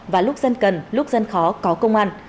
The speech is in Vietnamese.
và lúc dân cần lúc dân khó có công an